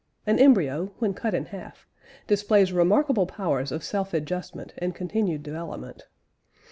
An embryo, when cut in half, displays remarkable powers of self adjustment and continued development.